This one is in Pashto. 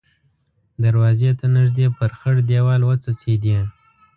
دروازې ته نږدې پر خړ دېوال وڅڅېدې.